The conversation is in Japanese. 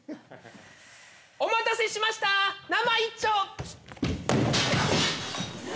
お待たせしました生一丁。